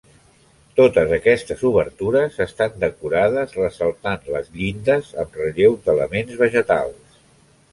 Totes aquestes obertures estan decorades ressaltant les llindes amb relleus d'elements vegetals.